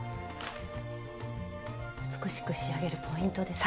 美しく仕上げるポイントですね。